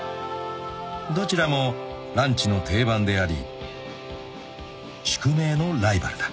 ［どちらもランチの定番であり宿命のライバルだ］